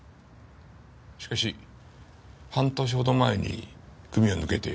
しかし半年ほど前に組を抜けている。